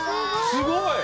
すごい！